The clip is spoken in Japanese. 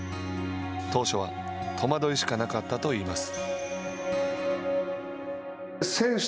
当初は戸惑いしかなかったといいます。